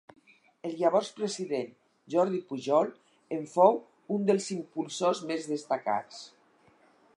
El llavors president Jordi Pujol en fou un dels impulsors més destacats.